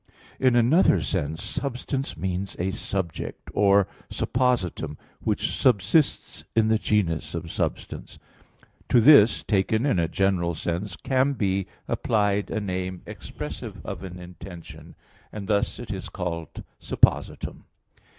In another sense substance means a subject or suppositum, which subsists in the genus of substance. To this, taken in a general sense, can be applied a name expressive of an intention; and thus it is called _suppositum.